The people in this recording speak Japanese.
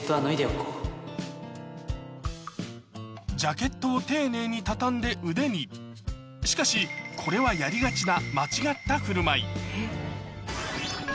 ジャケットを丁寧に畳んで腕にしかしこれはやりがちな